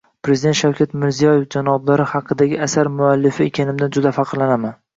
Prezident Shavkat Mirziyoev janoblari haqidagi asar muallifi ekanimdan juda faxrlanaman